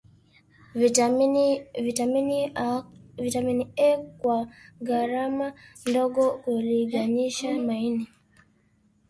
Vitamini A kwa gharama ndogo kulinganisha maini